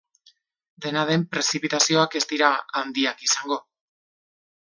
Dena den, prezipitazioak ez dira handiak izango.